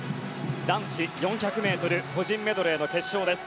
男子４００ｍ個人メドレーの決勝です。